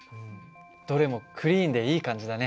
どれもクリーンでいい感じだね。